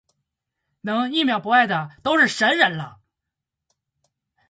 能一秒不爱的都是神人了